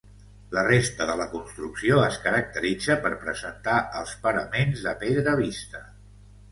La resta de la construcció es caracteritza per presentar els paraments de pedra vista.